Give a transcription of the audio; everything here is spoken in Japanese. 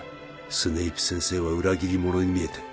スネイプ先生は裏切り者に見えて